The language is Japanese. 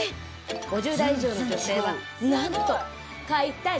５０代以上の女性はなんと「買いたい」